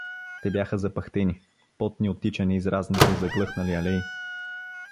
Те бяха запъхтени, потни от тичане из разните заглъхнали алеи.